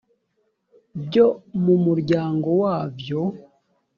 byo mu muryango wabyo